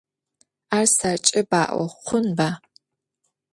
Ar serç'e ba'o xhunba?